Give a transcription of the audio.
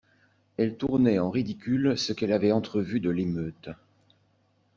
Elle tournait en ridicule ce qu'elle avait entrevu de l'émeute.